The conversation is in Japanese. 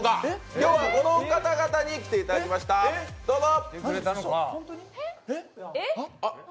今日はこの方々に来ていただきました、どうぞ！